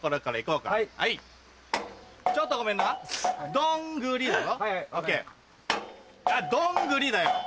どんぐりだよ。